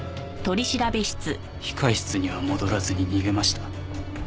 控室には戻らずに逃げました。